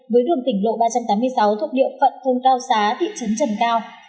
với đường tỉnh lộ ba trăm tám mươi sáu thuộc điệu phận thuông cao xá thị trấn trần cao